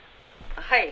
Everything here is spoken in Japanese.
「はい。